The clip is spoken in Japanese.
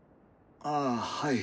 ああはい。